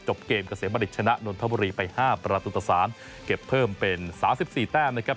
เกมเกษมบัณฑิตชนะนนทบุรีไป๕ประตูต่อ๓เก็บเพิ่มเป็น๓๔แต้มนะครับ